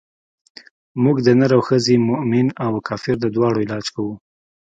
موږ د نر او ښځې مومن او کافر د دواړو علاج کړو.